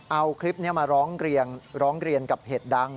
เอาคลิปนี้มาร้องเรียนกับเพจดัง